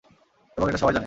এবং এটা সবাই জানে।